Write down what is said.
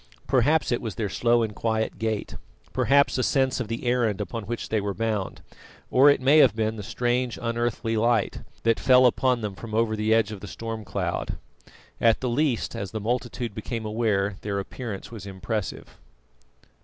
Perhaps it was their slow and quiet gait, perhaps a sense of the errand upon which they were bound; or it may have been the strange unearthly light that fell upon them from over the edge of the storm cloud; at the least, as the multitude became aware, their appearance was impressive.